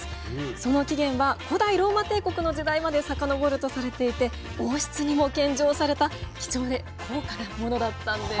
その起源は古代ローマ帝国の時代まで遡るとされていて王室にも献上された貴重で高価なものだったんです。